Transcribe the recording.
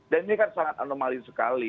dan ini kan sangat anomali sekali